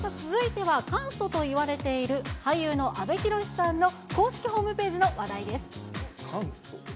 続いてはかんそといわれている俳優の阿部寛さんの公式ホームページの話題です。